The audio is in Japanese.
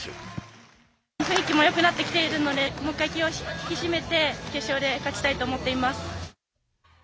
雰囲気もよくなってきているのでもう一回気を引き締めて決勝で勝ちたいと思っています。